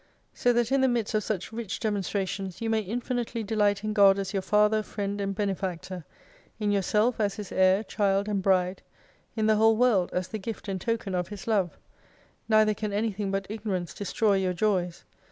So that in the midst of such rich demonstrations, you may infinitely delight in God as your Father, Friend and Benefactor, in your self as His Heir, Child and Bride, in the whole World, as the Gift and Token of His love ; neither can anything but Ignorance destroy your joys.